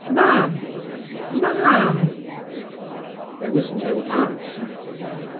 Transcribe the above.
Mam, Mam!" There was no answer.